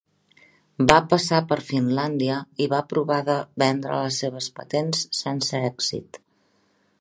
Va passar per Finlàndia i va provar de vendre les seves patents sense èxit.